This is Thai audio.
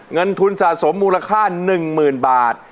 เงินทุนสะสมมูลค่า๑๐๐๐บาท